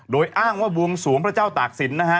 โดยอ้างว่าบวงสวงพระเจ้าตากศิลปนะฮะ